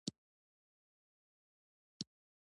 هدف خپلواکي او دولتونو تاسیس و